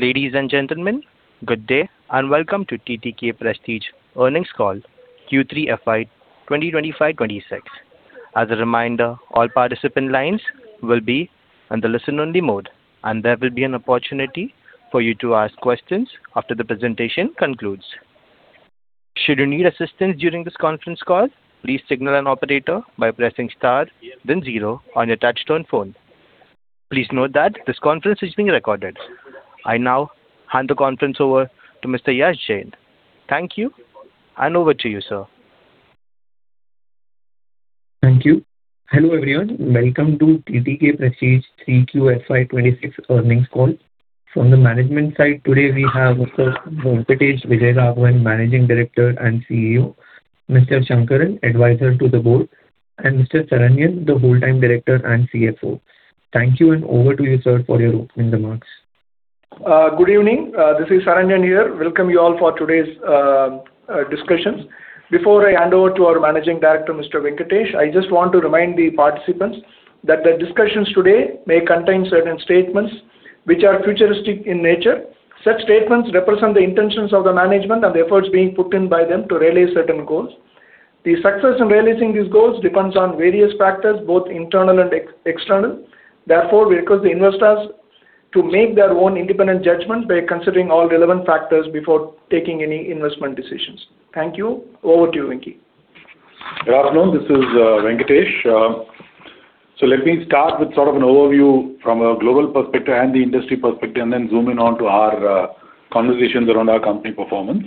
Ladies and gentlemen, good day, and welcome to TTK Prestige Earnings Call Q3 FY 2025-2026. As a reminder, all participant lines will be on the listen-only mode, and there will be an opportunity for you to ask questions after the presentation concludes. Should you need assistance during this conference call, please signal an operator by pressing star then zero on your touchtone phone. Please note that this conference is being recorded. I now hand the conference over to Mr. Yash Jain. Thank you, and over to you, sir. Thank you. Hello, everyone. Welcome to TTK Prestige 3Q FY 2026 Earnings Call. From the management side, today we have, of course, Venkatesh Vijayaraghavan, Managing Director and CEO, Mr. Shankaran, Advisor to the Board, and Mr. Saranyan, the Full-Time Director and CFO. Thank you, and over to you, sir, for your opening remarks. Good evening. This is Saranyan here. Welcome you all for today's discussions. Before I hand over to our Managing Director, Mr. Venkatesh, I just want to remind the participants that the discussions today may contain certain statements which are futuristic in nature. Such statements represent the intentions of the management and the efforts being put in by them to realize certain goals. The success in realizing these goals depends on various factors, both internal and external. Therefore, we request the investors to make their own independent judgments by considering all relevant factors before taking any investment decisions. Thank you. Over to you, Venky. Good afternoon, this is Venkatesh. So let me start with sort of an overview from a global perspective and the industry perspective, and then zoom in onto our conversations around our company performance.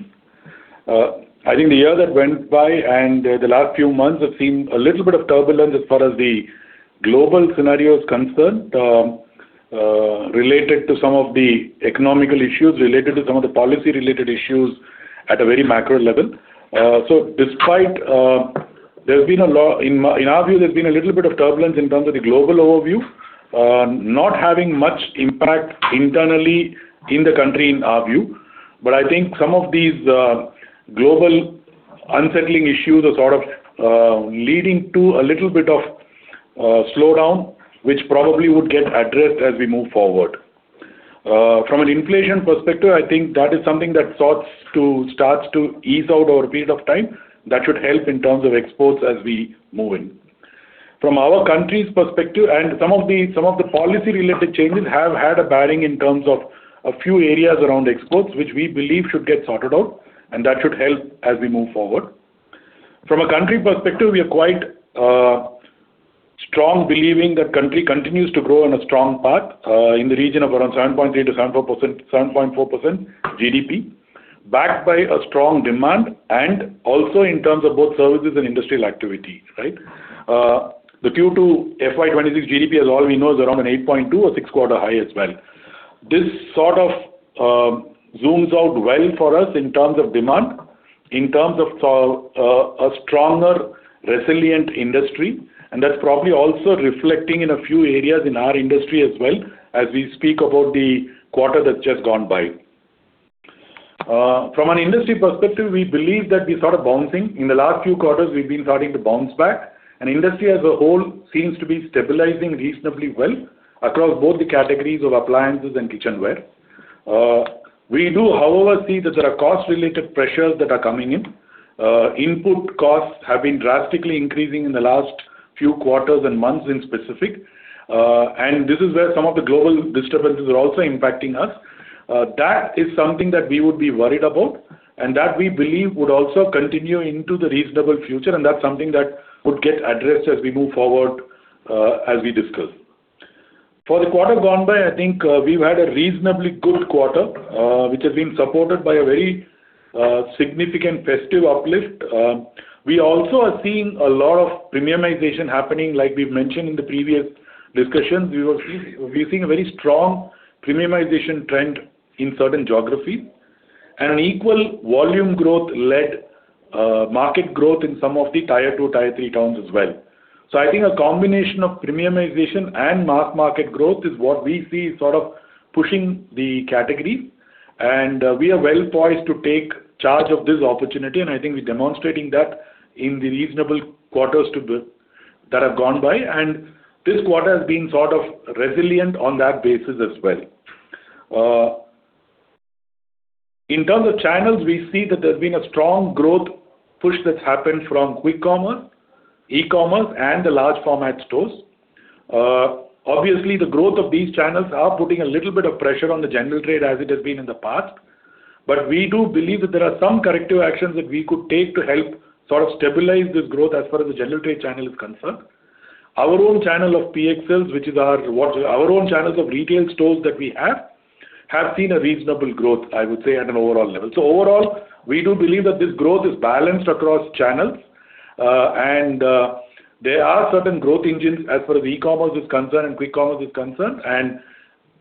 I think the year that went by and the last few months have seen a little bit of turbulence as far as the global scenario is concerned, related to some of the economic issues, related to some of the policy-related issues at a very macro level. So despite, there's been a lot, in my, in our view, there's been a little bit of turbulence in terms of the global overview. Not having much impact internally in the country, in our view, but I think some of these global unsettling issues are sort of leading to a little bit of slowdown, which probably would get addressed as we move forward. From an inflation perspective, I think that is something that starts to ease out over a period of time. That should help in terms of exports as we move in. From our country's perspective and some of the policy-related changes have had a bearing in terms of a few areas around exports, which we believe should get sorted out, and that should help as we move forward. From a country perspective, we are quite strong, believing that country continues to grow on a strong path in the region of around 7.3%-7.4% GDP, backed by a strong demand and also in terms of both services and industrial activity, right? The Q2 FY2026 GDP, as we all know, is around an 8.2% eight-quarter high as well. This sort of zooms out well for us in terms of demand, in terms of a stronger, resilient industry, and that's probably also reflecting in a few areas in our industry as well, as we speak about the quarter that's just gone by. From an industry perspective, we believe that we're sort of bouncing. In the last few quarters, we've been starting to bounce back, and industry as a whole seems to be stabilizing reasonably well across both the categories of appliances and kitchenware. We do, however, see that there are cost-related pressures that are coming in. Input costs have been drastically increasing in the last few quarters and months in specific, and this is where some of the global disturbances are also impacting us. That is something that we would be worried about, and that we believe would also continue into the reasonable future, and that's something that would get addressed as we move forward, as we discuss. For the quarter gone by, I think, we've had a reasonably good quarter, which has been supported by a very significant festive uplift. We also are seeing a lot of premiumization happening, like we've mentioned in the previous discussions. We were seeing, we're seeing a very strong premiumization trend in certain geographies, and an equal volume growth led market growth in some of the Tier 2, Tier 3 towns as well. So I think a combination of premiumization and mass market growth is what we see sort of pushing the category, and we are well poised to take charge of this opportunity, and I think we're demonstrating that in the reasonable quarters to build that have gone by, and this quarter has been sort of resilient on that basis as well. In terms of channels, we see that there's been a strong growth push that's happened from quick commerce, e-commerce, and the large format stores. Obviously, the growth of these channels are putting a little bit of pressure on the general trade as it has been in the past. But we do believe that there are some corrective actions that we could take to help sort of stabilize this growth as far as the general trade channel is concerned. Our own channel of PXL which is our own channels of retail stores that we have, have seen a reasonable growth, I would say, at an overall level. So overall, we do believe that this growth is balanced across channels, and there are certain growth engines as far as e-commerce is concerned and quick commerce is concerned, and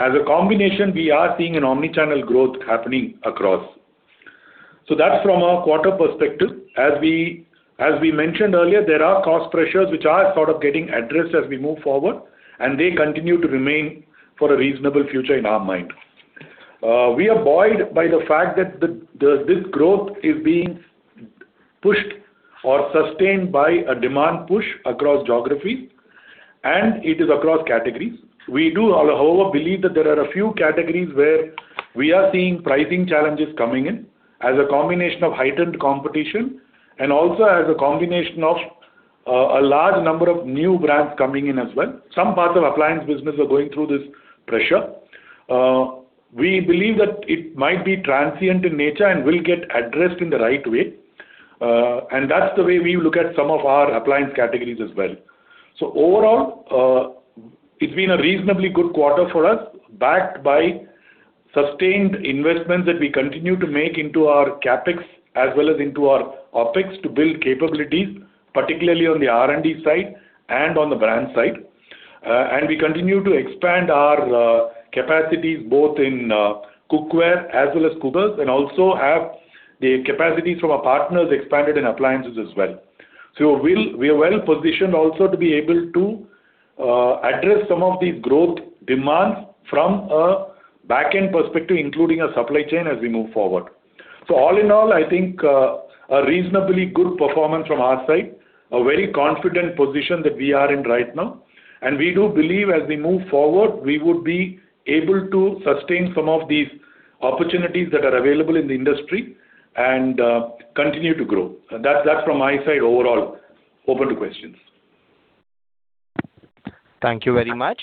as a combination, we are seeing an omni-channel growth happening across. So that's from a quarter perspective. As we, as we mentioned earlier, there are cost pressures which are sort of getting addressed as we move forward, and they continue to remain for a reasonable future in our mind. We are buoyed by the fact that this growth is being pushed or sustained by a demand push across geographies, and it is across categories. We do, however, believe that there are a few categories where we are seeing pricing challenges coming in, as a combination of heightened competition, and also as a combination of a large number of new brands coming in as well. Some parts of appliance business are going through this pressure. We believe that it might be transient in nature and will get addressed in the right way, and that's the way we look at some of our appliance categories as well. So overall, it's been a reasonably good quarter for us, backed by sustained investments that we continue to make into our CapEx, as well as into our OpEx, to build capabilities, particularly on the R&D side and on the brand side. And we continue to expand our capacities both in cookware as well as cookers, and also have the capacities from our partners expanded in appliances as well. So we are well positioned also to be able to address some of these growth demands from a back-end perspective, including a supply chain, as we move forward. So all in all, I think a reasonably good performance from our side, a very confident position that we are in right now. We do believe as we move forward, we would be able to sustain some of these opportunities that are available in the industry, and continue to grow. That from my side, overall. Open to questions. Thank you very much.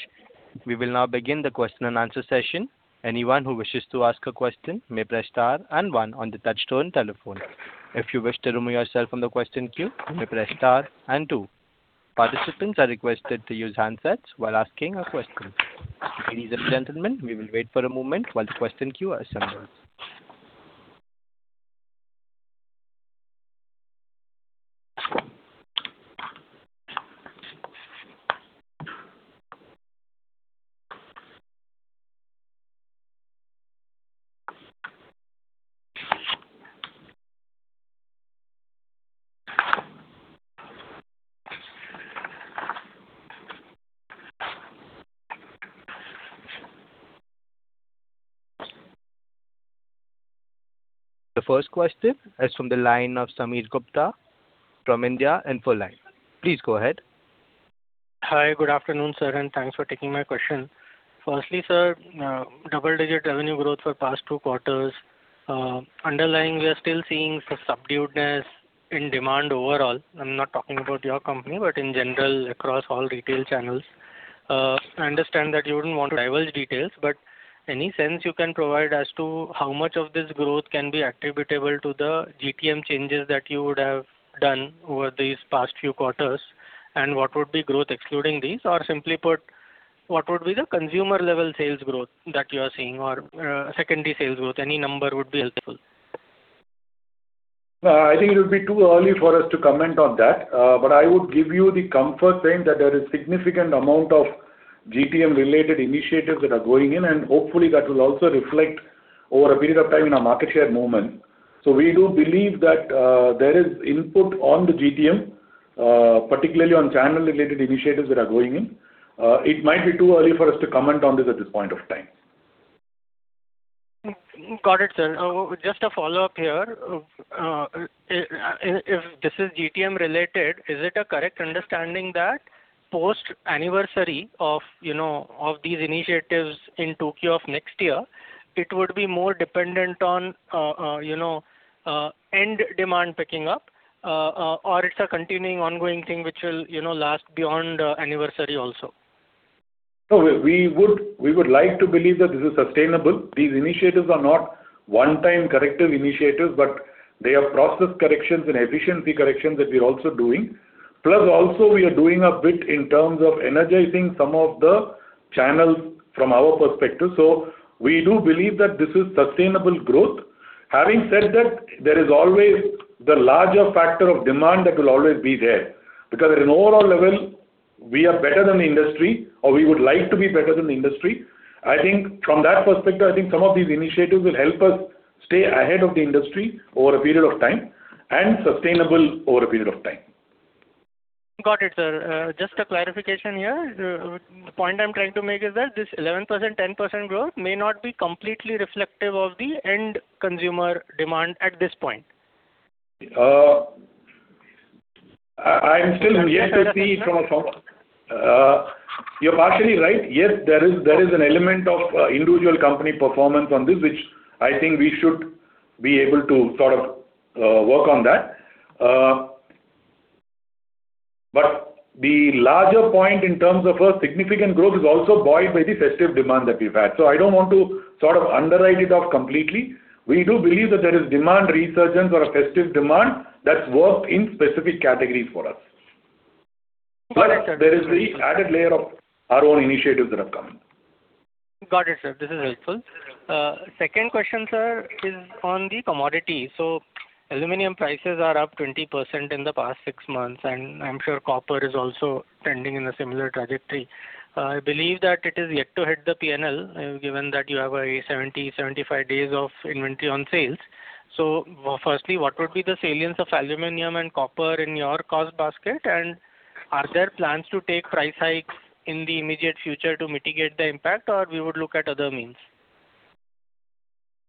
We will now begin the question and answer session. Anyone who wishes to ask a question may press star and one on the touchtone telephone. If you wish to remove yourself from the question queue, you may press star and two. Participants are requested to use handsets while asking a question. Ladies and gentlemen, we will wait for a moment while the question queue assembles. The first question is from the line of Sameer Gupta, from IIFL Securities. Please go ahead. Hi, good afternoon, sir, and thanks for taking my question. Firstly, sir, double-digit revenue growth for past 2 quarters. Underlying, we are still seeing some subduedness in demand overall. I'm not talking about your company, but in general, across all retail channels. I understand that you wouldn't want to divulge details, but any sense you can provide as to how much of this growth can be attributable to the GTM changes that you would have done over these past few quarters? And what would be growth excluding these? Or simply put, what would be the consumer-level sales growth that you are seeing, or, secondary sales growth? Any number would be helpful. I think it would be too early for us to comment on that, but I would give you the comfort saying that there is significant amount of GTM-related initiatives that are going in, and hopefully that will also reflect over a period of time in our market share movement. So we do believe that there is input on the GTM, particularly on channel-related initiatives that are going in. It might be too early for us to comment on this at this point of time. Got it, sir. Just a follow-up here. If this is GTM-related, is it a correct understanding that post-anniversary of, you know, of these initiatives in Q2 of next year, it would be more dependent on, you know, end demand picking up, or it's a continuing ongoing thing which will, you know, last beyond the anniversary also? No, we would like to believe that this is sustainable. These initiatives are not one-time corrective initiatives, but they are process corrections and efficiency corrections that we're also doing. Plus, also, we are doing a bit in terms of energizing some of the channels from our perspective, so we do believe that this is sustainable growth. Having said that, there is always the larger factor of demand that will always be there. Because at an overall level, we are better than the industry, or we would like to be better than the industry. I think from that perspective, I think some of these initiatives will help us stay ahead of the industry over a period of time, and sustainable over a period of time. Got it, sir. Just a clarification here. The point I'm trying to make is that this 11%, 10% growth may not be completely reflective of the end consumer demand at this point. I am still yet to see from a... You're partially right. Yes, there is an element of individual company performance on this, which I think we should be able to sort of work on that. But the larger point in terms of significant growth is also buoyed by the festive demand that we've had, so I don't want to sort of write it off completely. We do believe that there is demand resurgence or a festive demand that's worked in specific categories for us. Got it, sir. But there is the added layer of our own initiatives that have come. Got it, sir. This is helpful. Second question, sir, is on the commodity. So aluminum prices are up 20% in the past six months, and I'm sure copper is also trending in a similar trajectory. I believe that it is yet to hit the P&L, given that you have a 70-75 days of inventory on sales. So firstly, what would be the salience of aluminum and copper in your cost basket? And are there plans to take price hikes in the immediate future to mitigate the impact, or we would look at other means?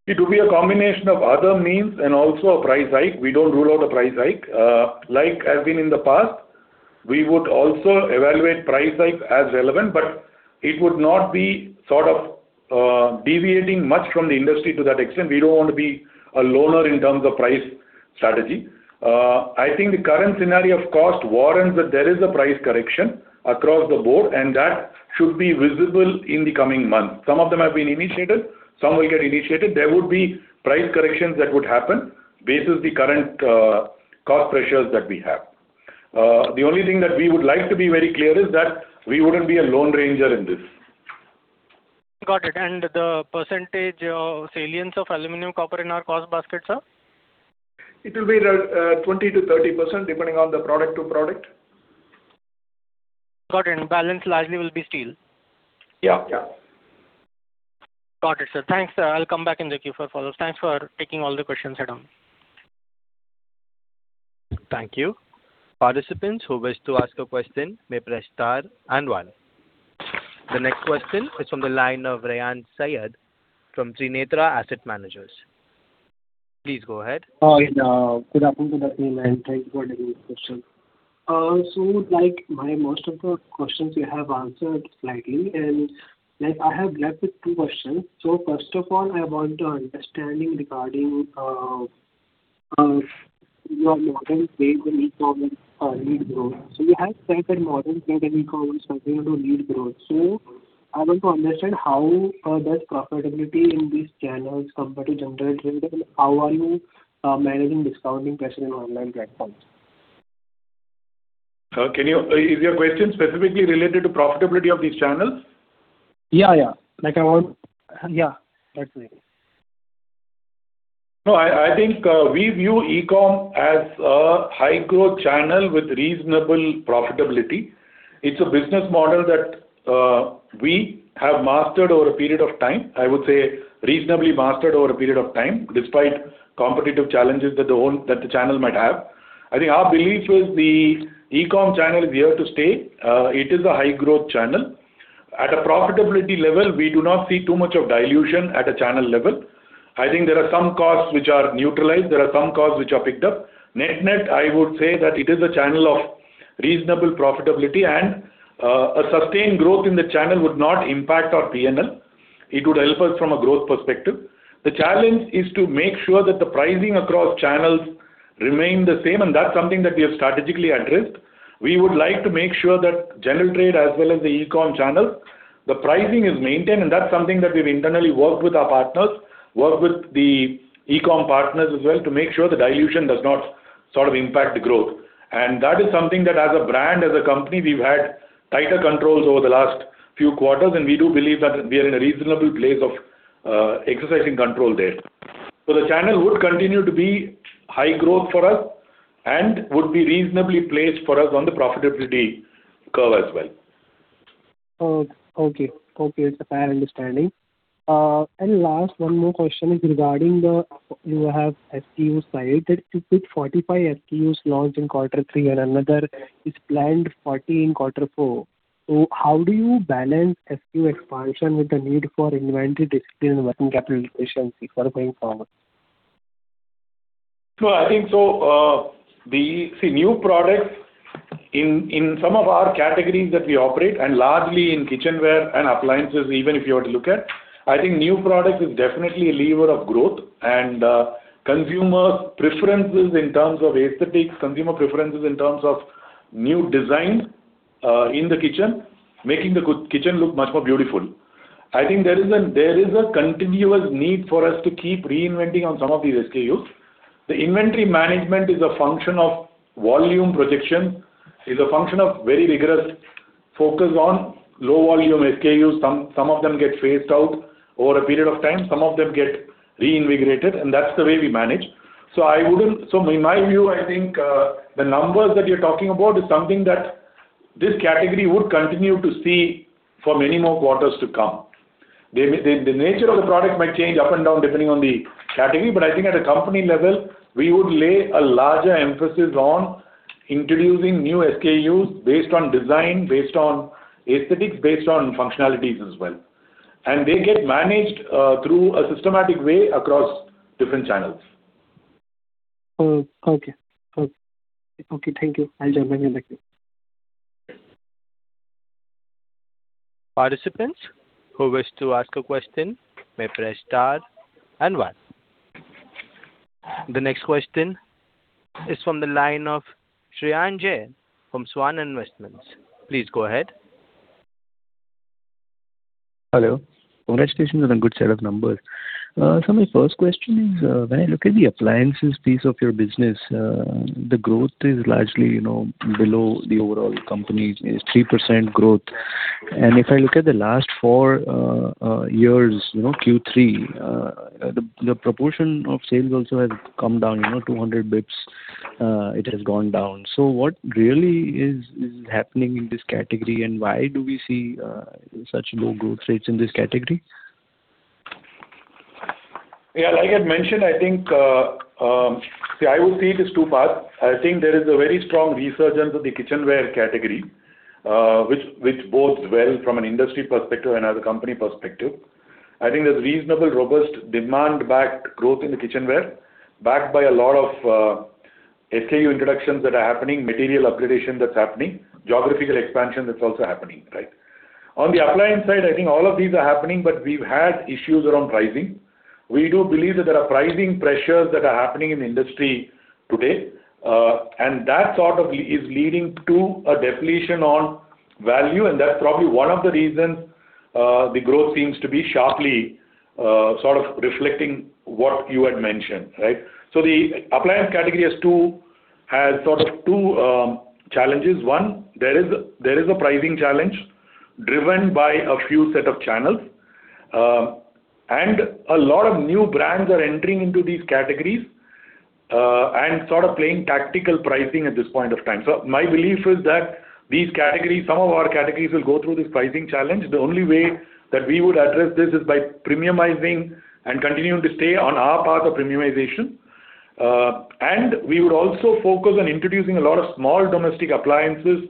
It will be a combination of other means and also a price hike. We don't rule out a price hike. Like has been in the past, we would also evaluate price hike as relevant, but it would not be sort of, deviating much from the industry to that extent. We don't want to be a loner in terms of price strategy. I think the current scenario of cost warrants that there is a price correction across the board, and that should be visible in the coming months. Some of them have been initiated, some will get initiated. There would be price corrections that would happen basis the current cost pressures that we have. The only thing that we would like to be very clear is that we wouldn't be a lone ranger in this. Got it. And the percentage of salience of aluminum, copper in our cost basket, sir? It will be around 20%-30%, depending on the product to product. Got it. And balance largely will be steel? Yeah. Yeah. Got it, sir. Thanks. I'll come back in the queue for follow-ups. Thanks for taking all the questions at home. Thank you. Participants who wish to ask a question, may press star and one. The next question is from the line of Rehan Syed from Trinetra Asset Managers. Please go ahead. Hi, good afternoon to the team, and thank you for taking this question. So like, my most of the questions you have answered slightly, and like I have left with two questions. So first of all, I want an understanding regarding your modern play with e-com lead growth. So you have said that modern play that e-com is something to lead growth. So I want to understand how does profitability in these channels compare to general trade, and how are you managing discounting pressure in online platforms? Is your question specifically related to profitability of these channels? Yeah, yeah. Like I want... Yeah, that's it. No, I, I think, we view e-com as a high-growth channel with reasonable profitability. It's a business model that, we have mastered over a period of time. I would say reasonably mastered over a period of time, despite competitive challenges that the channel might have. I think our belief was the e-com channel is here to stay. It is a high-growth channel. At a profitability level, we do not see too much of dilution at a channel level. I think there are some costs which are neutralized, there are some costs which are picked up. Net-net, I would say that it is a channel of reasonable profitability, and, a sustained growth in the channel would not impact our P&L. It would help us from a growth perspective. The challenge is to make sure that the pricing across channels remain the same, and that's something that we have strategically addressed. We would like to make sure that general trade as well as the e-com channel, the pricing is maintained, and that's something that we've internally worked with our partners, worked with the e-com partners as well, to make sure the dilution does not sort of impact the growth. That is something that as a brand, as a company, we've had tighter controls over the last few quarters, and we do believe that we are in a reasonable place of exercising control there. The channel would continue to be high growth for us and would be reasonably placed for us on the profitability curve as well. Oh, okay. Okay, it's a fair understanding. And last, one more question is regarding the, you have SKU slide, that you put 45 SKUs launched in quarter three and another is planned 40 in quarter four. So how do you balance SKU expansion with the need for inventory discipline and working capital efficiency for going forward? No, I think so. See, new products in some of our categories that we operate, and largely in kitchenware and appliances, even if you were to look at, I think new products is definitely a lever of growth and consumer preferences in terms of aesthetics, consumer preferences in terms of new design, in the kitchen, making the good kitchen look much more beautiful. I think there is a continuous need for us to keep reinventing on some of these SKUs. The inventory management is a function of volume projection, is a function of very rigorous focus on low-volume SKUs. Some of them get phased out over a period of time, some of them get reinvigorated, and that's the way we manage. So in my view, I think, the numbers that you're talking about is something that this category would continue to see for many more quarters to come. The nature of the product might change up and down, depending on the category, but I think at a company level, we would lay a larger emphasis on introducing new SKUs based on design, based on aesthetics, based on functionalities as well. And they get managed through a systematic way across different channels. Oh, okay. Okay. Okay, thank you. I'll join back in the queue. Participants who wish to ask a question, may press star and one. The next question is from the line of Shreyans Jain from Swan Investments. Please go ahead. Hello. Congratulations on a good set of numbers. So my first question is, when I look at the appliances piece of your business, the growth is largely, you know, below the overall company's, is 3% growth. And if I look at the last four years, you know, Q3, the proportion of sales also has come down, you know, 200 basis points, it has gone down. So what really is happening in this category, and why do we see such low growth rates in this category? Yeah, like I mentioned, I think, I would see it as two parts. I think there is a very strong resurgence of the kitchenware category, which bodes well from an industry perspective and as a company perspective. I think there's reasonable, robust demand-backed growth in the kitchenware, backed by a lot of SKU introductions that are happening, material upgradation that's happening, geographical expansion that's also happening, right? On the appliance side, I think all of these are happening, but we've had issues around pricing. We do believe that there are pricing pressures that are happening in the industry today, and that sort of is leading to a deflation on value, and that's probably one of the reasons, the growth seems to be sharply, sort of reflecting what you had mentioned, right? So the appliance category has sort of two challenges. One, there is a pricing challenge driven by a few set of channels. A lot of new brands are entering into these categories and sort of playing tactical pricing at this point of time. So my belief is that these categories, some of our categories will go through this pricing challenge. The only way that we would address this is by premiumizing and continuing to stay on our path of premiumization. We would also focus on introducing a lot of small domestic appliances,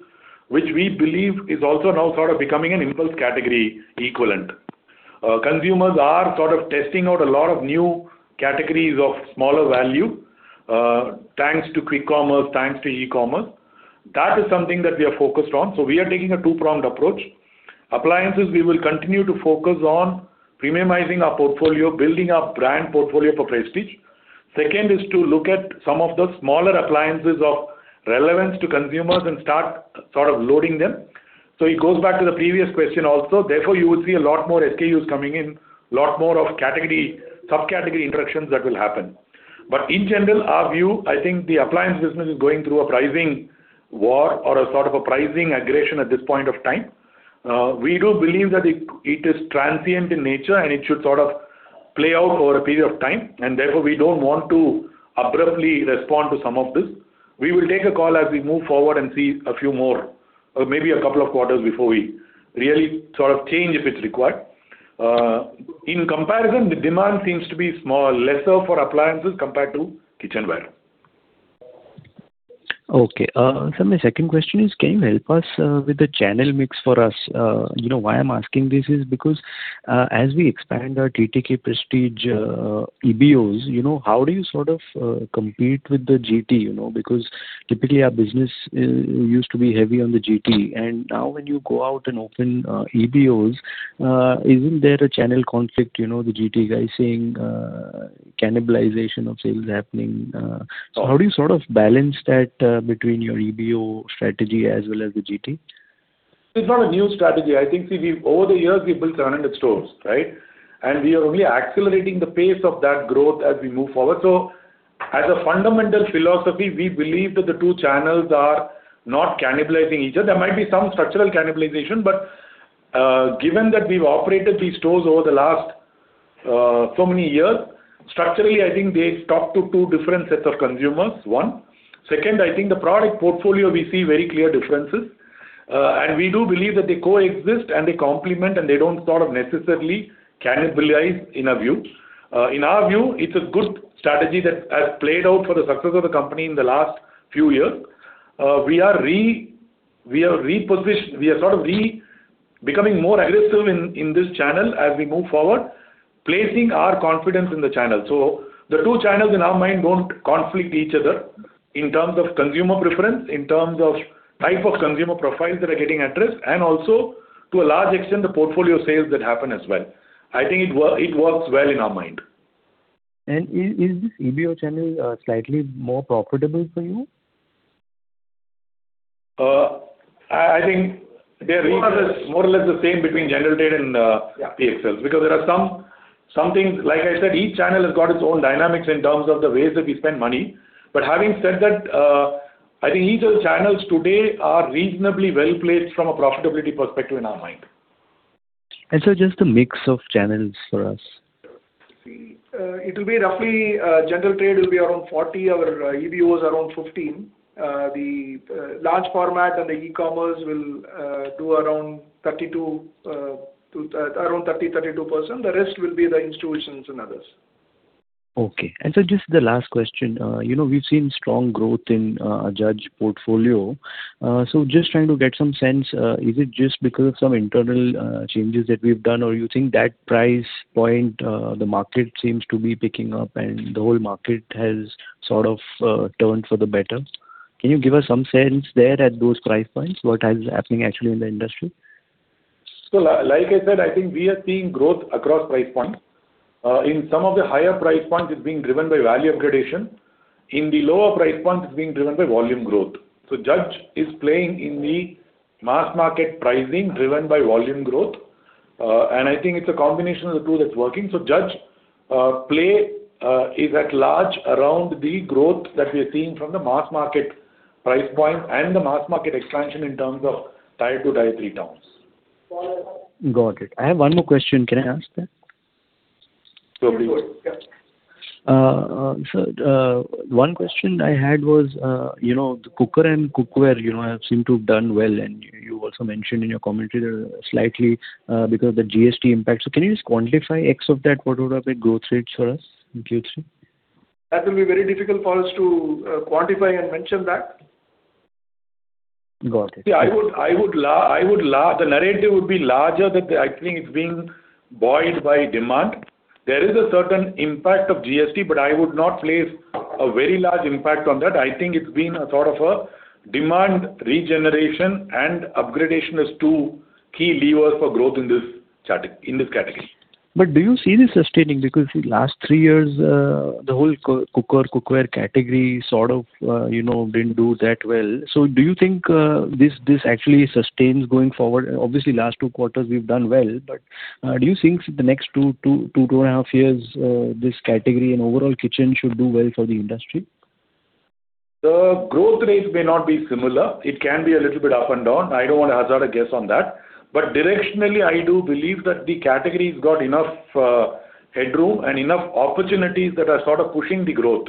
which we believe is also now sort of becoming an impulse category equivalent. Consumers are sort of testing out a lot of new categories of smaller value, thanks to quick commerce, thanks to e-commerce. That is something that we are focused on. So we are taking a two-pronged approach. Appliances, we will continue to focus on premiumizing our portfolio, building our brand portfolio for Prestige. Second is to look at some of the smaller appliances of relevance to consumers and start sort of loading them. So it goes back to the previous question also. Therefore, you would see a lot more SKUs coming in, lot more of category, subcategory introductions that will happen. But in general, our view, I think the appliance business is going through a pricing war or a sort of a pricing aggression at this point of time. We do believe that it, it is transient in nature, and it should sort of play out over a period of time, and therefore, we don't want to abruptly respond to some of this. We will take a call as we move forward and see a few more, or maybe a couple of quarters before we really sort of change, if it's required. In comparison, the demand seems to be small, lesser for appliances compared to kitchenware. Okay. So my second question is: can you help us with the channel mix for us? You know, why I'm asking this is because, as we expand our TTK Prestige EBOs, you know, how do you sort of compete with the GT, you know? Because typically, our business used to be heavy on the GT, and now when you go out and open EBOs, isn't there a channel conflict, you know, the GT guy saying cannibalization of sales happening? So how do you sort of balance that between your EBO strategy as well as the GT? It's not a new strategy. I think, see, we've over the years, we've built 100 stores, right? And we are, we are accelerating the pace of that growth as we move forward. So as a fundamental philosophy, we believe that the two channels are not cannibalizing each other. There might be some structural cannibalization, but, given that we've operated these stores over the last, so many years, structurally, I think they talk to two different sets of consumers, one. Second, I think the product portfolio, we see very clear differences. And we do believe that they coexist, and they complement, and they don't sort of necessarily cannibalize in our view. In our view, it's a good strategy that has played out for the success of the company in the last few years. We are sort of becoming more aggressive in this channel as we move forward, placing our confidence in the channel. So the two channels in our mind don't conflict each other in terms of consumer preference, in terms of type of consumer profiles that are getting addressed, and also to a large extent, the portfolio sales that happen as well. I think it works well in our mind. Is this EBO channel slightly more profitable for you? I think they are more or less, more or less the same between general trade and Prestige Xclusive. Yeah. Because there are some things... Like I said, each channel has got its own dynamics in terms of the ways that we spend money. But having said that, I think each of the channels today are reasonably well-placed from a profitability perspective in our mind. And so just the mix of channels for us. It will be roughly general trade will be around 40, our EBOs around 15. The large format and the e-commerce will do around 32 to around 30, 32%. The rest will be the institutions and others. Okay. Just the last question. You know, we've seen strong growth in Judge portfolio. Just trying to get some sense, is it just because of some internal changes that we've done, or you think that price point, the market seems to be picking up, and the whole market has sort of turned for the better? Can you give us some sense there at those price points, what is happening actually in the industry? So, like I said, I think we are seeing growth across price points. In some of the higher price points, it's being driven by value upgradation. In the lower price points, it's being driven by volume growth. So Judge is playing in the mass market pricing, driven by volume growth, and I think it's a combination of the two that's working. So Judge play is at large around the growth that we are seeing from the mass market price point and the mass market expansion in terms of Tier 2, Tier 3 towns. Got it. I have one more question. Can I ask that? Totally. Yeah. So, one question I had was, you know, the cooker and cookware, you know, have seemed to have done well, and you also mentioned in your commentary that slightly because of the GST impact. So can you just quantify X of that, what would have been growth rates for us in Q3? That will be very difficult for us to, quantify and mention that. Got it. Yeah, I would say the narrative would be larger than I think it's being boiled down by demand. There is a certain impact of GST, but I would not place a very large impact on that. I think it's been a sort of a demand regeneration and upgradation is two key levers for growth in this category. But do you see this sustaining? Because the last three years, the whole cooker/cookware category, sort of, you know, didn't do that well. So do you think, this, this actually sustains going forward? Obviously, last two quarters we've done well, but, do you think the next two, two, two and a half years, this category and overall kitchen should do well for the industry? The growth rates may not be similar. It can be a little bit up and down. I don't want to hazard a guess on that. But directionally, I do believe that the category's got enough headroom and enough opportunities that are sort of pushing the growth,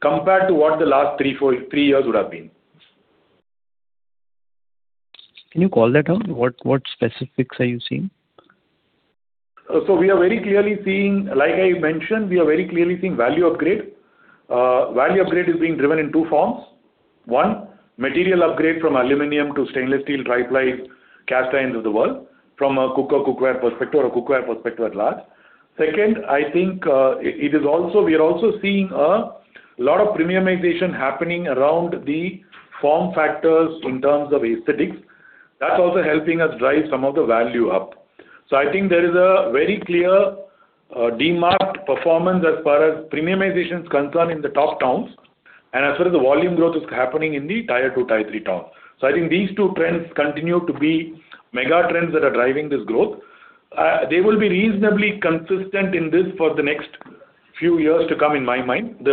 compared to what the last three, four, three years would have been. Can you call that out? What specifics are you seeing? So we are very clearly seeing. Like I mentioned, we are very clearly seeing value upgrade. Value upgrade is being driven in two forms. One, material upgrade from aluminum to stainless steel, triply, cast irons of the world, from a cooker/cookware perspective or a cookware perspective at large. Second, I think, it is also we are also seeing a lot of premiumization happening around the form factors in terms of aesthetics. That's also helping us drive some of the value up. So I think there is a very clear, demarked performance as far as premiumization is concerned in the top towns, and as far as the volume growth is happening in the tier two, tier three towns. So I think these two trends continue to be mega trends that are driving this growth. They will be reasonably consistent in this for the next few years to come, in my mind.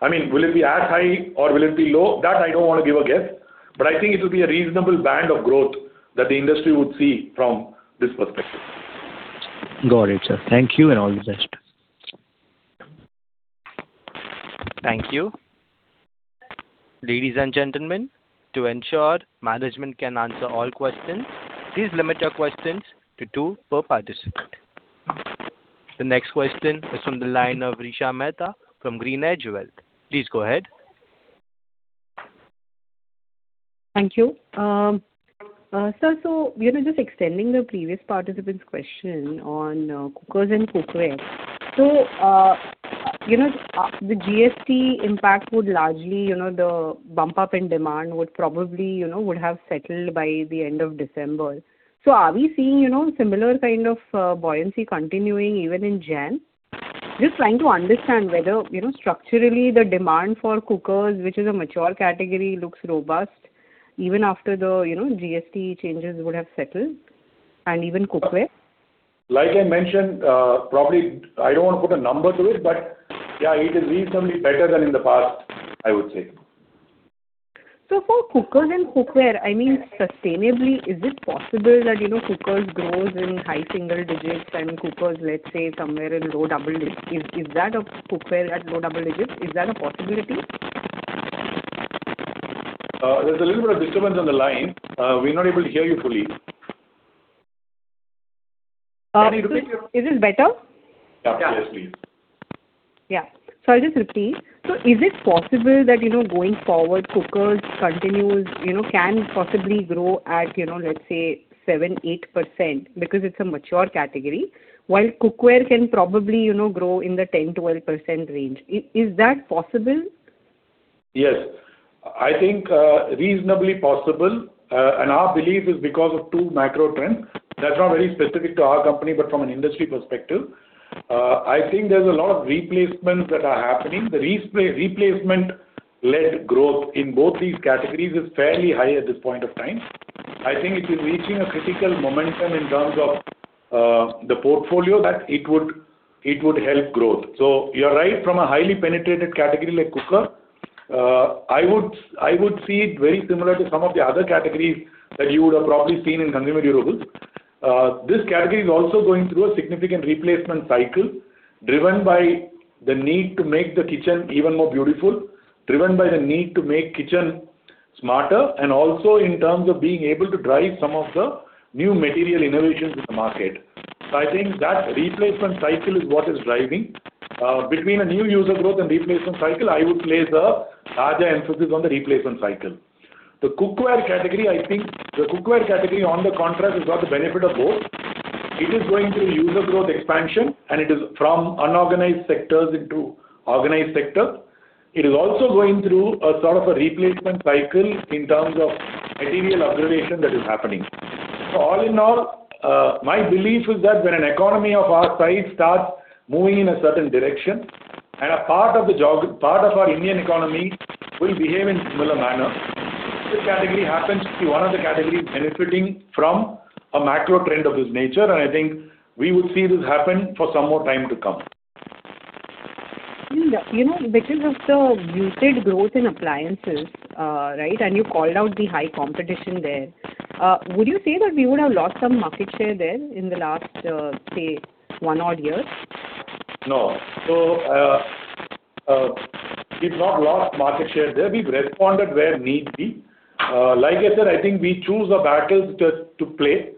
I mean, will it be as high or will it be low? That I don't want to give a guess, but I think it will be a reasonable band of growth that the industry would see from this perspective. Got it, sir. Thank you, and all the best. Thank you. Ladies and gentlemen, to ensure management can answer all questions, please limit your questions to two per participant. The next question is from the line of Resha Mehta from GreenEdge Wealth. Please go ahead. Thank you. Sir, so, you know, just extending the previous participant's question on cookers and cookware. So, you know, the GST impact would largely, you know, the bump up in demand would probably, you know, would have settled by the end of December. So are we seeing, you know, similar kind of buoyancy continuing even in Jan? Just trying to understand whether, you know, structurally the demand for cookers, which is a mature category, looks robust, even after the, you know, GST changes would have settled, and even cookware. Like I mentioned, probably I don't want to put a number to it, but yeah, it is reasonably better than in the past, I would say. So for cookers and cookware, I mean, sustainably, is it possible that, you know, cookers grows in high single digits and cookers, let's say, somewhere in low double digits? Is, is that a cookware at low double digits, is that a possibility? There's a little bit of disturbance on the line. We're not able to hear you fully. Is this better? Yeah, yes, please. Yeah. So I'll just repeat. So is it possible that, you know, going forward, cookers continues, you know, can possibly grow at, you know, let's say 7-8%, because it's a mature category, while cookware can probably, you know, grow in the 10-12% range? Is that possible? Yes. I think reasonably possible, and our belief is because of two macro trends. That's not very specific to our company, but from an industry perspective. I think there's a lot of replacements that are happening. The replacement-led growth in both these categories is fairly high at this point of time. I think it is reaching a critical momentum in terms of the portfolio that it would, it would help growth. So you're right, from a highly penetrated category like cooker, I would, I would see it very similar to some of the other categories that you would have probably seen in consumer durables. This category is also going through a significant replacement cycle, driven by the need to make the kitchen even more beautiful, driven by the need to make kitchen smarter, and also in terms of being able to drive some of the new material innovations in the market. So I think that replacement cycle is what is driving. Between a new user growth and replacement cycle, I would place the larger emphasis on the replacement cycle. The cookware category, I think, the cookware category, on the contrary, has got the benefit of both. It is going through user growth expansion, and it is from unorganized sectors into organized sector. It is also going through a sort of a replacement cycle in terms of material upgradation that is happening. So all in all, my belief is that when an economy of our size starts moving in a certain direction, and a part of our Indian economy will behave in similar manner, this category happens to be one of the categories benefiting from a macro trend of this nature, and I think we would see this happen for some more time to come. And, you know, because of the muted growth in appliances, right? And you called out the high competition there, would you say that we would have lost some market share there in the last, say, one odd years? No. So, we've not lost market share there. We've responded where need be. Like I said, I think we choose the battles to play.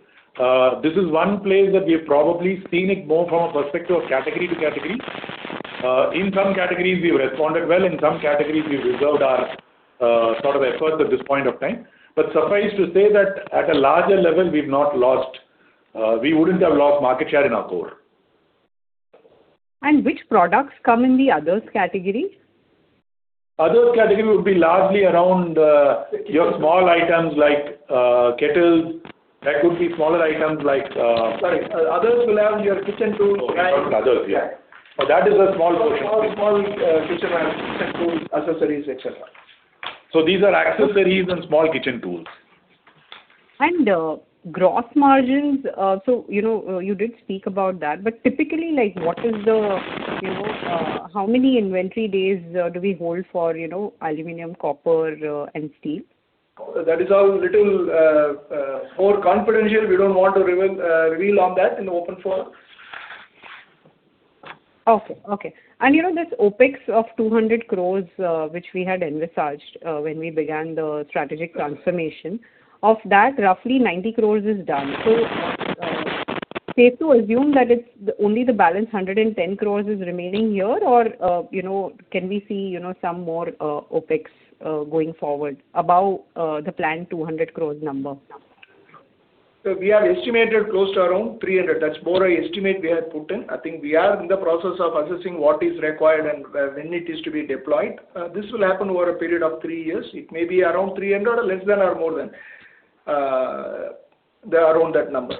This is one place that we have probably seen it more from a perspective of category to category. In some categories, we've responded well, in some categories, we've reserved our sort of efforts at this point of time. But suffice to say that at a larger level, we've not lost, we wouldn't have lost market share in our core. Which products come in the others category? Others category would be largely around, your small items like, kettles. There could be smaller items like, Sorry, others will have your kitchen tools. Others, yeah. But that is a small portion. Small, kitchen items, tools, accessories, et cetera. These are accessories and small kitchen tools. Gross margins, so, you know, you did speak about that, but typically, like, what is the, you know, how many inventory days do we hold for, you know, aluminum, copper, and steel? That is a little more confidential. We don't want to reveal on that in the open forum. Okay, okay. And, you know, this OpEx of 200 crore, which we had envisaged, when we began the strategic transformation, of that, roughly 90 crore is done. So, safe to assume that it's only the balance 110 crore is remaining here, or, you know, can we see, you know, some more, OpEx, going forward about, the planned 200 crore number? So we have estimated close to around 300. That's more an estimate we have put in. I think we are in the process of assessing what is required and when it is to be deployed. This will happen over a period of three years. It may be around 300, or less than or more than, around that number.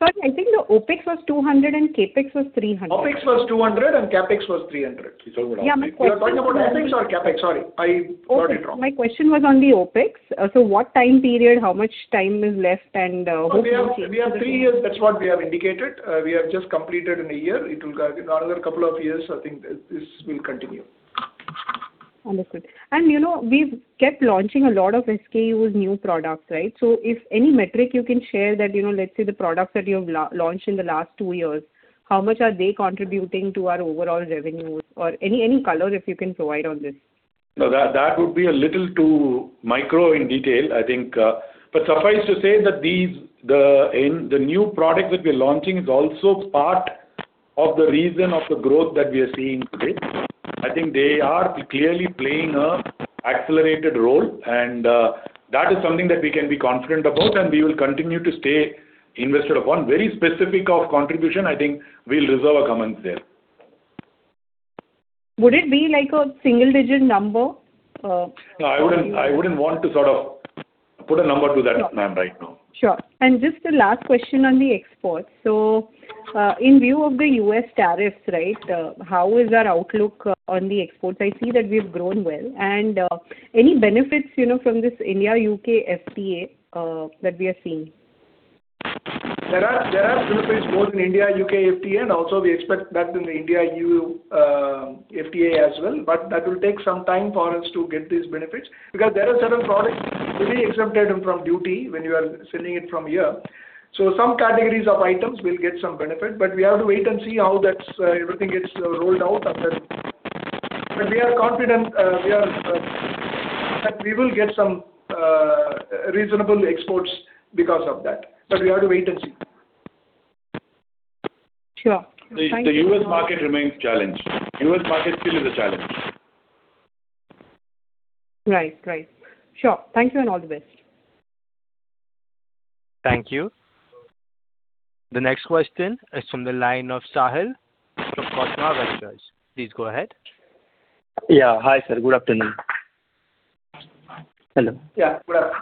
But I think the OpEx was 200 and CapEx was 300. OpEx was 200, and CapEx was 300. You told it wrong. You're talking about OpEx or CapEx? Sorry, I got it wrong. My question was on the OpEx. So what time period, how much time is left and, what- We have, we have three years. That's what we have indicated. We have just completed in a year. It will be another couple of years, I think, this will continue. Understood. You know, we've kept launching a lot of SKUs, new products, right? So if any metric you can share that, you know, let's say the products that you have launched in the last two years, how much are they contributing to our overall revenues? Or any color if you can provide on this. No, that, that would be a little too micro in detail, I think. But suffice to say that these, the, in the new products that we're launching is also part of the reason of the growth that we are seeing today. I think they are clearly playing a accelerated role, and that is something that we can be confident about, and we will continue to stay invested upon. Very specific of contribution, I think we'll reserve our comments there. Would it be like a single-digit number? No, I wouldn't, I wouldn't want to sort of put a number to that, ma'am, right now. Sure. Just a last question on the exports. In view of the U.S. tariffs, right, how is our outlook on the exports? I see that we've grown well. Any benefits, you know, from this India-U.K. FTA, that we are seeing? There are benefits both in India-U.K. FTA, and also we expect that in the India-E.U. FTA as well. But that will take some time for us to get these benefits, because there are certain products to be exempted from duty when you are selling it from here. So some categories of items will get some benefit, but we have to wait and see how that's everything gets rolled out after. But we are confident, we are, that we will get some reasonable exports because of that, but we have to wait and see. Sure. The U.S. market remains challenged. U.S. market still is a challenge. Right. Right. Sure. Thank you, and all the best. Thank you. The next question is from the line of Sahil from Kotak Mahindra. Please go ahead. Yeah. Hi, sir, good afternoon. Hello. Yeah, good afternoon.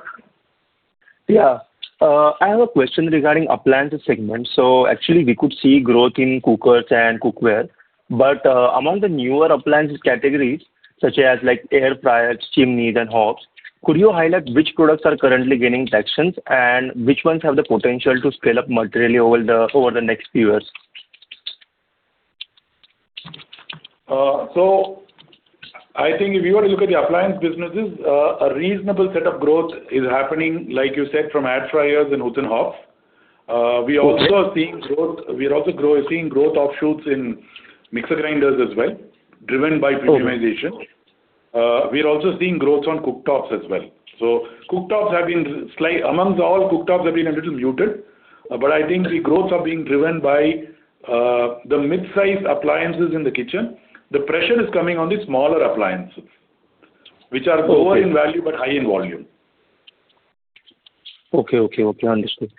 Yeah, I have a question regarding appliance segment. So actually, we could see growth in cookers and cookware, but, among the newer appliance categories, such as, like, air fryers, chimneys, and hobs, could you highlight which products are currently gaining traction, and which ones have the potential to scale up materially over the next few years? So, I think if you were to look at the appliance businesses, a reasonable set of growth is happening, like you said, from air fryers and hood and hob. We are also seeing growth offshoots in mixer grinders as well, driven by premiumization. Okay. We are also seeing growth on cooktops as well. So cooktops have been a little muted among all, but I think the growths are being driven by the mid-sized appliances in the kitchen. The pressure is coming on the smaller appliances. Okay. - which are low in value, but high in volume. Okay, okay, okay, understood.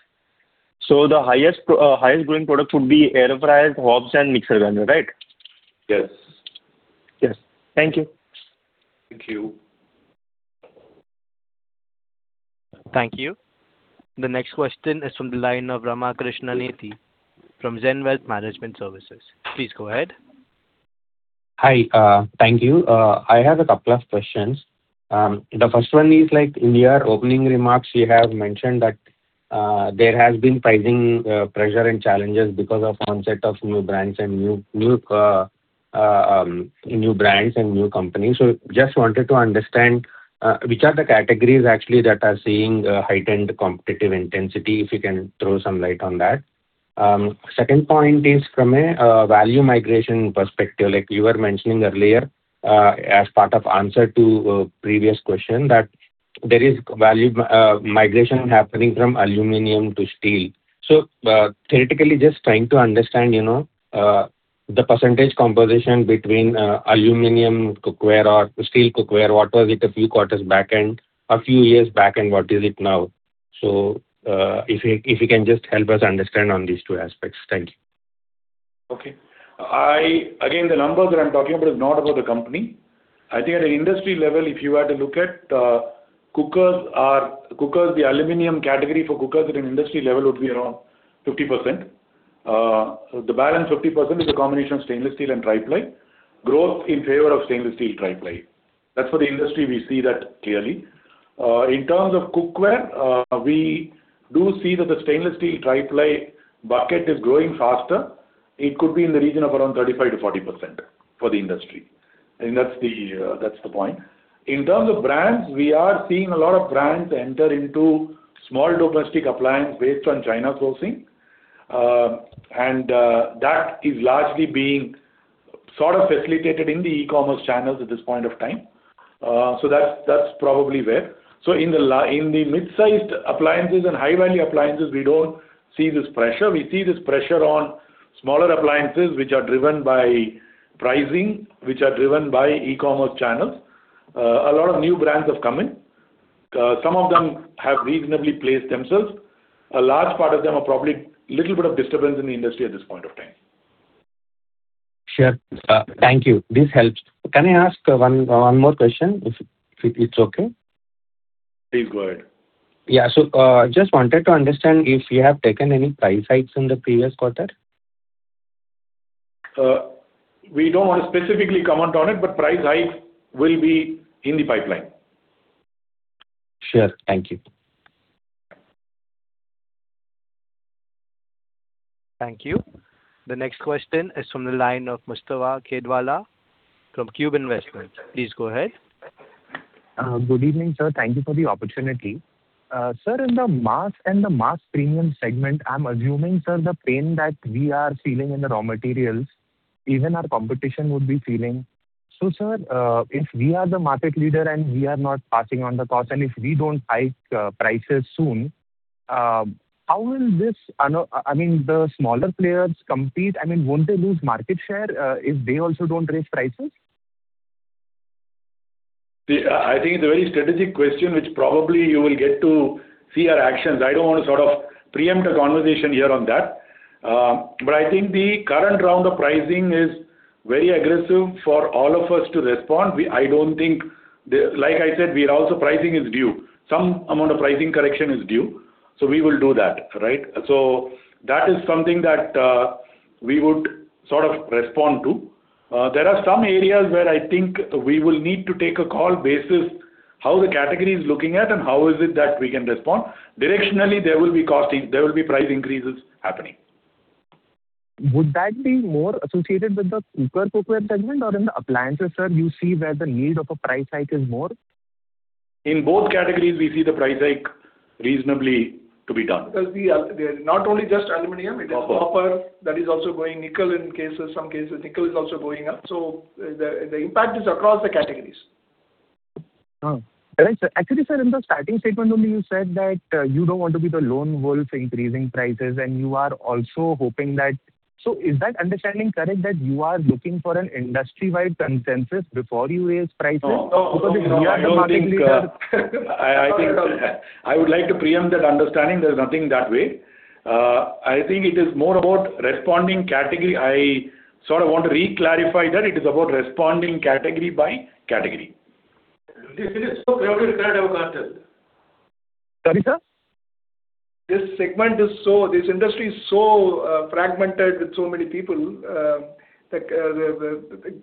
So the highest, highest-growing product would be air fryers, hobs, and mixer grinder, right? Yes. Yes. Thank you. Thank you. Thank you. The next question is from the line of Rama Krishna Neti from Zen Wealth Management Services. Please go ahead. Hi, thank you. I have a couple of questions. The first one is, like, in your opening remarks, you have mentioned that there has been pricing pressure and challenges because of onset of new brands and new companies. So just wanted to understand which are the categories actually that are seeing heightened competitive intensity, if you can throw some light on that? ... Second point is from a value migration perspective, like you were mentioning earlier, as part of answer to a previous question, that there is value migration happening from aluminum to steel. So, theoretically, just trying to understand, you know, the percentage composition between aluminum cookware or steel cookware, what was it a few quarters back and a few years back, and what is it now? So, if you, if you can just help us understand on these two aspects. Thank you. Okay. Again, the numbers that I'm talking about is not about the company. I think at an industry level, if you were to look at, cookers are, cookers, the aluminum category for cookers at an industry level would be around 50%. So the balance 50% is a combination of stainless steel and triply. Growth in favor of stainless steel triply. That's for the industry, we see that clearly. In terms of cookware, we do see that the stainless steel triply bucket is growing faster. It could be in the region of around 35%-40% for the industry, and that's the point. In terms of brands, we are seeing a lot of brands enter into small domestic appliance based on China sourcing. That is largely being sort of facilitated in the e-commerce channels at this point of time. So that's, that's probably where. In the mid-sized appliances and high-value appliances, we don't see this pressure. We see this pressure on smaller appliances, which are driven by pricing, which are driven by e-commerce channels. A lot of new brands have come in. Some of them have reasonably placed themselves. A large part of them are probably little bit of disturbance in the industry at this point of time. Sure. Thank you. This helps. Can I ask one more question, if it's okay? Please go ahead. Yeah. So, just wanted to understand if you have taken any price hikes in the previous quarter? We don't want to specifically comment on it, but price hike will be in the pipeline. Sure. Thank you. Thank you. The next question is from the line of Mustafa Khedwala from Cube Investments. Please go ahead. Good evening, sir. Thank you for the opportunity. Sir, in the mass and the mass premium segment, I'm assuming, sir, the pain that we are feeling in the raw materials, even our competition would be feeling. So, sir, if we are the market leader and we are not passing on the cost, and if we don't hike prices soon, how will this... I mean, the smaller players compete, I mean, won't they lose market share if they also don't raise prices? I think it's a very strategic question, which probably you will get to see our actions. I don't want to sort of preempt a conversation here on that. But I think the current round of pricing is very aggressive for all of us to respond. We, I don't think the... Like I said, we are also pricing is due. Some amount of pricing correction is due, so we will do that, right? So that is something that we would sort of respond to. There are some areas where I think we will need to take a call basis, how the category is looking at and how is it that we can respond. Directionally, there will be costing, there will be price increases happening. Would that be more associated with the cooker cookware segment, or in the appliances, sir, you see where the need of a price hike is more? In both categories, we see the price hike reasonably to be done. Because they're not only just aluminum- Copper. It is copper, that is also going nickel in cases, some cases nickel is also going up. So the impact is across the categories. Uh. All right, sir. Actually, sir, in the starting statement, only you said that, you don't want to be the lone wolf in increasing prices, and you are also hoping that... So is that understanding correct, that you are looking for an industry-wide consensus before you raise prices? No, no, no. Because if you are the only player, I think I would like to preempt that understanding, there is nothing that way. I think it is more about responding category. I sort of want to reclassify that, it is about responding category by category. It is so crowded, you cannot have a cartel. Sorry, sir? This industry is so fragmented with so many people, like,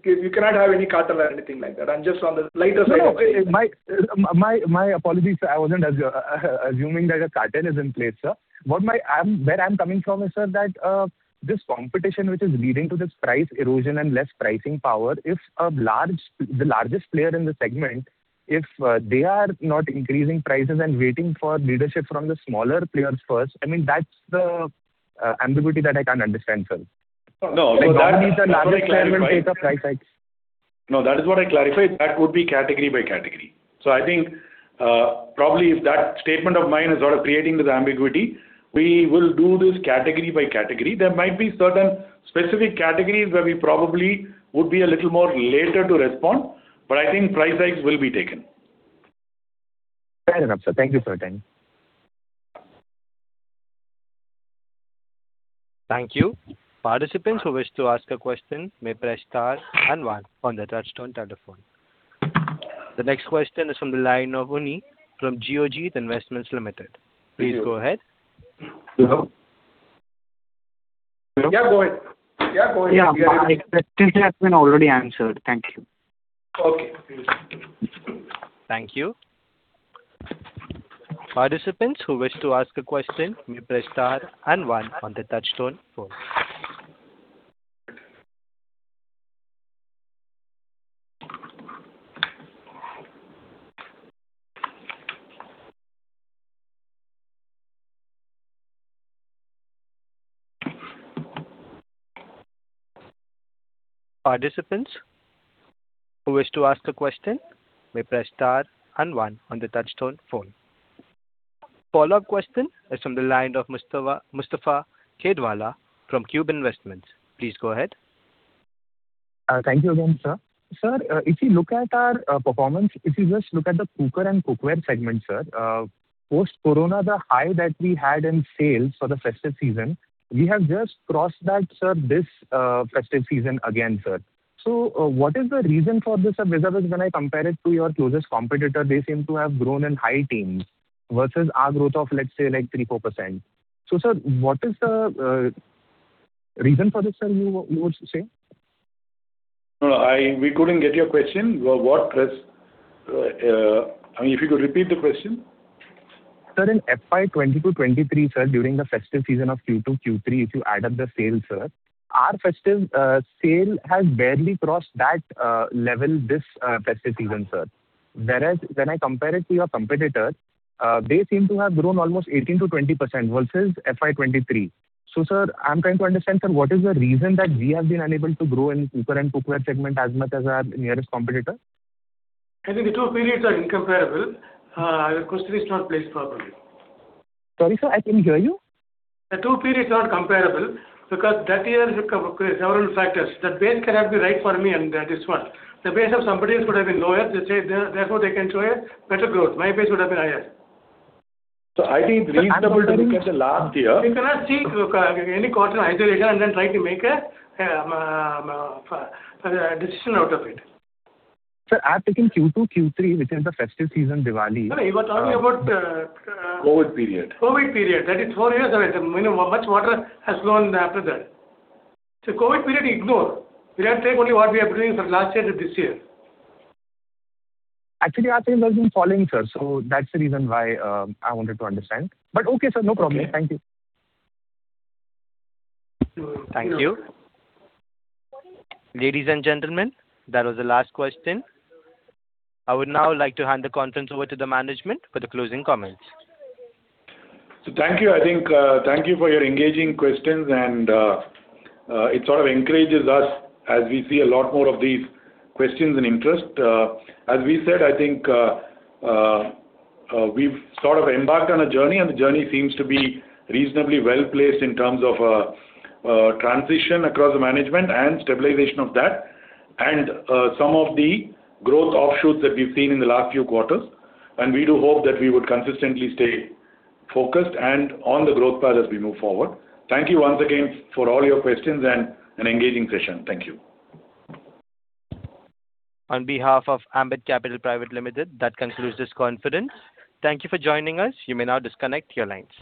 you cannot have any cartel or anything like that. I'm just on the lighter side. No, no. My apologies, sir. I wasn't assuming that a cartel is in place, sir. What I'm coming from is, sir, that this competition, which is leading to this price erosion and less pricing power, if a large, the largest player in the segment, if they are not increasing prices and waiting for leadership from the smaller players first, I mean, that's the ambiguity that I can't understand, sir. No, no, that- So that means the largest player will take the price hike. No, that is what I clarified. That would be category by category. So I think, probably if that statement of mine is sort of creating this ambiguity, we will do this category by category. There might be certain specific categories where we probably would be a little more later to respond, but I think price hikes will be taken. Fair enough, sir. Thank you for your time. Thank you. Participants who wish to ask a question may press star and one on their touchtone telephone. The next question is from the line of Sheen G, from Geojit Financial Services Ltd. Please go ahead. Hello? Hello? Yeah, go ahead. Yeah, go ahead. Yeah, my question has been already answered. Thank you. Okay. Thank you. Participants who wish to ask a question may press star and one on the touchtone phone. Participants who wish to ask a question may press star and one on the touchtone phone. Follow-up question is from the line of Mustafa Khedwala from Cube Investments. Please go ahead. Thank you again, sir. Sir, if you look at our performance, if you just look at the cooker and cookware segment, sir, post-corona, the high that we had in sales for the festive season, we have just crossed that, sir, this festive season again, sir. So, what is the reason for this, sir? Because when I compare it to your closest competitor, they seem to have grown in high teens versus our growth of, let's say, like 3%-4%. So, sir, what is the reason for this, sir, you would say? No, we couldn't get your question. What was, I mean, if you could repeat the question. Sir, in FY 2020 to 2023, sir, during the festive season of Q2, Q3, if you add up the sales, sir, our festive sale has barely crossed that level this festive season, sir. Whereas when I compare it to your competitors, they seem to have grown almost 18%-20% versus FY 2023. So, sir, I'm trying to understand, sir, what is the reason that we have been unable to grow in cooker and cookware segment as much as our nearest competitor? I think the two periods are incomparable. Your question is not placed properly. Sorry, sir, I couldn't hear you. The two periods are not comparable, because that year there were several factors. The base cannot be right for me, and that is what. The base of somebody would have been lower, they say, therefore, they can show a better growth. My base would have been higher. I think reasonably look at the last year. You cannot see any quarter in isolation and then try to make a decision out of it. Sir, I've taken Q2, Q3, which is the festive season, Diwali. No, you were talking about, COVID period. COVID period. That is four years away. There, you know, much water has flown after that. So, COVID period, ignore. We have to take only what we are doing from last year to this year. Actually, I think there's been falling, sir, so that's the reason why, I wanted to understand. But okay, sir, no problem. Thank you. Thank you. Ladies and gentlemen, that was the last question. I would now like to hand the conference over to the management for the closing comments. So thank you. I think, thank you for your engaging questions, and, it sort of encourages us as we see a lot more of these questions and interest. As we said, I think, we've sort of embarked on a journey, and the journey seems to be reasonably well placed in terms of, transition across the management and stabilization of that, and, some of the growth offshoots that we've seen in the last few quarters. And we do hope that we would consistently stay focused and on the growth path as we move forward. Thank you once again for all your questions and an engaging session. Thank you. On behalf of Ambit Capital Private Limited, that concludes this conference. Thank you for joining us. You may now disconnect your lines.